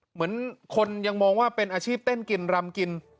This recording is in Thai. เหมือนคนยังมองว่าเป็นอาชีพเต้นกินรำกิน